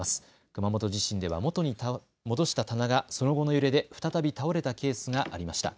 熊本地震ではもとに戻した棚がその後の揺れで再び倒れたケースがありました。